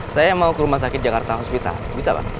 saya mau ke rumah sakit jakarta hospita bisa pak